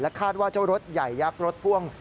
คาดว่าเจ้ารถใหญ่ยักษ์รถพ่วง